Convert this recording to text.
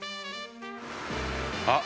あっ！